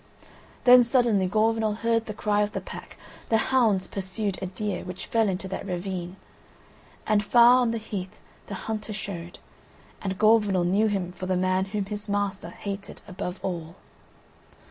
Then suddenly Gorvenal heard the cry of the pack; the hounds pursued a deer, which fell into that ravine. And far on the heath the hunter showed — and Gorvenal knew him for the man whom his master hated above all.